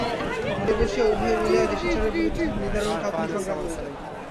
ঘরে বসিয়া উভয়ে মিলিয়া দেশাচারের বিরুদ্ধে নিদারুণ কাল্পনিক সংগ্রাম করিতেন।